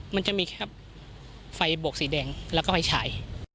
มันจะมีแค่ไฟบวกสีแดงแล้วก็ไฟฉาย